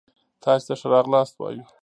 تاسي ته ښه را غلاست وايو